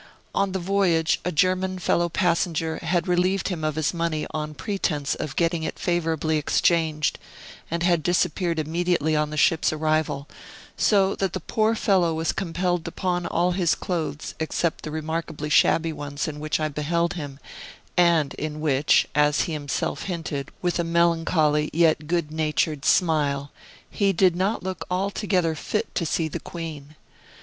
On the voyage, a German fellow passenger had relieved him of his money on pretence of getting it favorably exchanged, and had disappeared immediately on the ship's arrival; so that the poor fellow was compelled to pawn all his clothes, except the remarkably shabby ones in which I beheld him, and in which (as he himself hinted, with a melancholy, yet good natured smile) he did not look altogether fit to see the Queen.